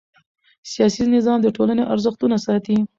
سیاسي نظام د ټولنې ارزښتونه ساتي